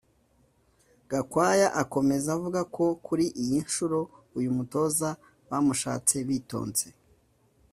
Gakwaya akomeza avuga ko kuri iyi nshuro uyu mutoza bamushatse bitonze